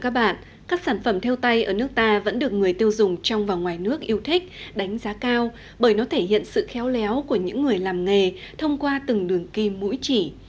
thưa quý vị các sản phẩm theo tay ở nước ta vẫn được người tiêu dùng trong và ngoài nước yêu thích đánh giá cao bởi nó thể hiện sự khéo léo của những người làm nghề thông qua từng đường kim mũi chỉ